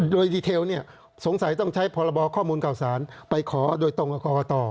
โดยดีเทลเนี่ยสงสัยต้องใช้พบข้อมูลเก่าสารไปขอโดยตรงค์กฎต่อ